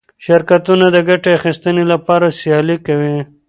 شرکتونه د ګټې اخیستنې لپاره سیالي کوي.